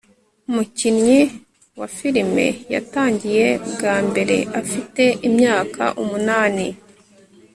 Umukinnyi wa filime yatangiye bwa mbere afite imyaka umunani